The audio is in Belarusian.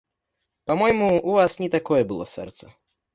Па-мойму, у вас не такое было сэрца.